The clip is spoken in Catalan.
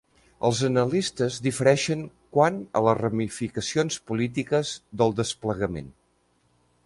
Els analistes difereixen quant a les ramificacions polítiques del desplegament.